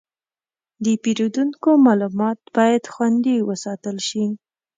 د پیرودونکو معلومات باید خوندي وساتل شي.